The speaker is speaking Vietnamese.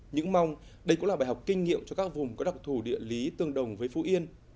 những mong đây cũng là bài học kinh nghiệm cho các vùng có đặc thù địa lý tương đồng với phú yên